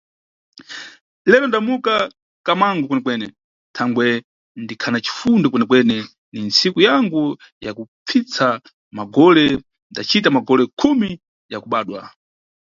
Lero ndamuka kamangu kwene-kwene thangwe ndikhana cifundo kwene-kwene, ni nsiku yangu yakupfitsa magole, ndacita magole khumi ya kubadwa.